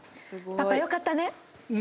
パパよかったね。